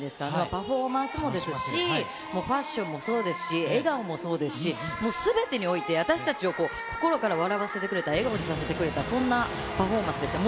パフォーマンスもですし、もうファッションもそうですし、笑顔もそうですし、もうすべてにおいて、私たちを心から笑わせてくれた、笑顔にさせてくれた、そんなパフォーマンスでした。